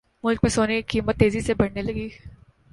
ملک میں سونے کی قیمت تیزی سے بڑھنے لگی